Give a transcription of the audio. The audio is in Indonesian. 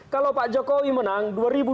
kalau pak jokowi menang